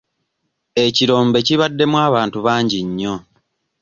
Ekirombe kibaddemu abantu bangi nnyo.